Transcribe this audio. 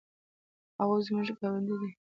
هغوی زموږ ګاونډي دي